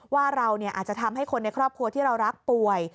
ว่าเราอาจจะทำให้คนในครอบครัวที่เรารักป่วย